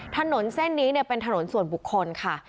ถนนเส้นนี้เป็นถนนส่วนบุคคลค่ะ